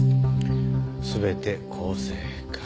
全て公正か。